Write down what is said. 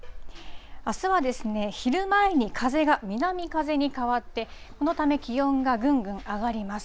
あすはですね昼前に風が南風に変わってこのため気温がぐんぐん上がります。